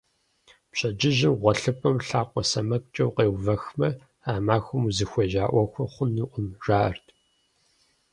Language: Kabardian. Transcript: Пщэдджыжьым гъуэлъыпӀэм лъакъуэ сэмэгумкӀэ укъеувэхмэ, а махуэм узыхуежьэ Ӏуэхур хъунукъым, жаӀэрт.